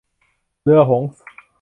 เรือหงส์